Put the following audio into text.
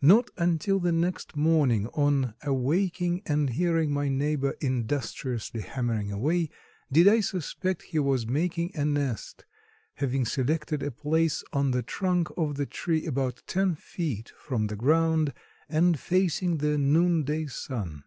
Not until the next morning on awaking and hearing my neighbor industriously hammering away, did I suspect he was making a nest, having selected a place on the trunk of the tree about ten feet from the ground, and facing the noon day sun.